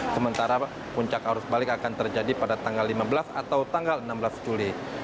sementara puncak arus balik akan terjadi pada tanggal lima belas atau tanggal enam belas juli